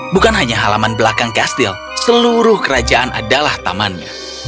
bukan hanya halaman belakang kastil seluruh kerajaan adalah tamannya